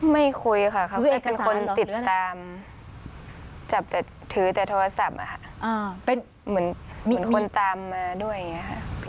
ไม่คุยค่ะครับเป็นคนติดตามจับแต่ถือแต่โทรศัพท์ค่ะมีคนตามมาด้วยอย่างนี้ค่ะ